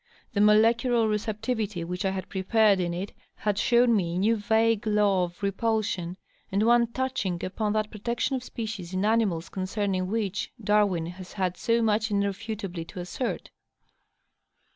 The molecular receptivity which I had prepared in it had shown me a new vague law of repulsion, and one touching upon that protection of species in animals concerning which Darwin has had so much irrefutably to assert.